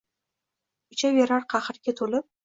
Uchaverar qahrga to’lib